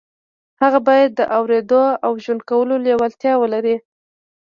هغه بايد د اورېدو او ژوند کولو لېوالتیا ولري.